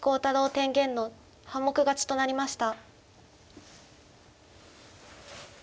天元の半目勝ちとなりました。